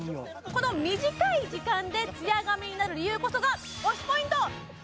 この短い時間でツヤ髪になる理由こそが推しＰｏｉｎｔ！